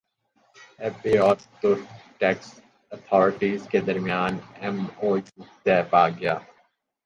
F B اور ترک tax authorities کے درمیان ایم او یو طے پاگیا